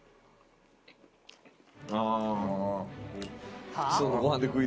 ああ。